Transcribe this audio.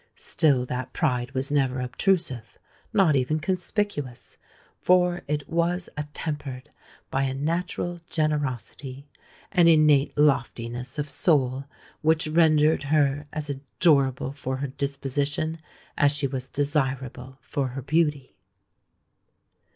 Still that pride was never obtrusive—not even conspicuous; for it was attempered by a natural generosity, an innate loftiness of soul which rendered her as adorable for her disposition as she was desirable for her beauty.